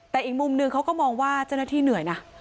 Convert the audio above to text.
แต่อีกมุมนึงเขาก็มองว่าเจ้าหน้าที่เหนื่อยนะ